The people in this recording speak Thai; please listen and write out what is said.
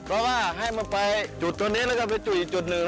เพราะว่าให้มันไปจุดตรงนี้แล้วก็ไปจุดอีกจุดหนึ่ง